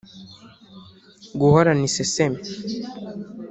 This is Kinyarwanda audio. guhorana isesemi